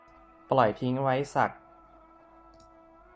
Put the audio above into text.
ปล่อยทิ้งไว้สัก